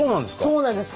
そうなんです。